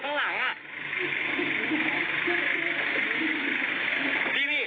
แล้วท้ายที่สุดก็ชักเกรงหมดสติอยู่